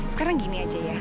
sekarang gini aja ya